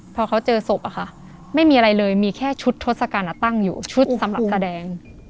พอเขาเจอศพอะค่ะไม่มีอะไรเลยมีแค่ชุดทศกัณฐ์ตั้งอยู่ชุดสำหรับแสดง